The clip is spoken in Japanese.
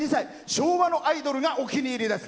昭和のアイドルがお気に入りです。